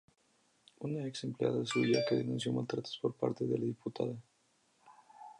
Una ex empleada suya que denunció maltratos por parte de la diputada.